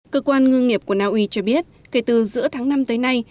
cơ quan ngư nghiệp của naui cho biết kể từ giữa tháng năm tới nay